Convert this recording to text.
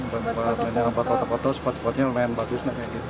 buat mainnya rambut kotor kotor spot spotnya lumayan bagus